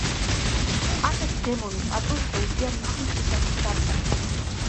ასეთი დემონის პატრონს შეუძლია მისი მტრისთვის გაგზავნა.